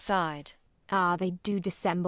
Kent. Ah, they do dissemble!